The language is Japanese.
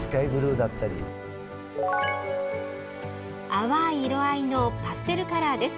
淡い色合いのパステルカラーです。